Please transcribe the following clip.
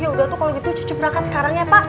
yaudah tuh kalau gitu cucu perahkan sekarang ya pak